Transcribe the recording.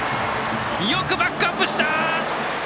よくバックアップした！